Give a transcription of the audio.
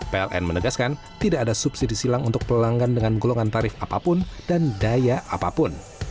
pln menegaskan tidak ada subsidi silang untuk pelanggan dengan golongan tarif apapun dan daya apapun